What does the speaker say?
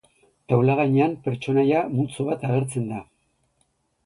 Taula gainean pertsonaia multzo bat agertzen da.